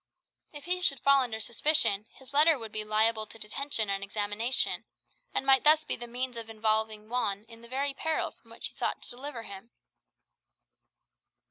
If he should fall under suspicion, his letter would be liable to detention and examination, and might thus be the means of involving Juan in the very peril from which he sought to deliver him.